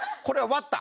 割った？